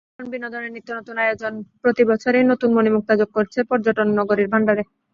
কারণ, বিনোদনের নিত্যনতুন আয়োজন প্রতিবছরই নতুন মণিমুক্তা যোগ করছে পর্যটন নগরীর ভান্ডারে।